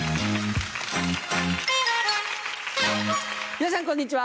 皆さんこんにちは。